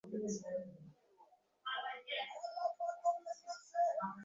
তিনি বাংলার ভূম্যধিকারী পরিবারবর্গের ইতিবৃত্ত বিষয়ে বহু তথ্যপূর্ণ প্রবন্ধও লেখেন।